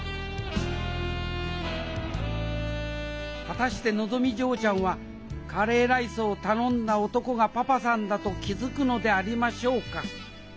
果たしてのぞみ嬢ちゃんはカレーライスを頼んだ男がパパさんだと気付くのでありましょうか。